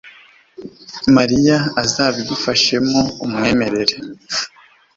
mariya azabigufashamo. umwemerere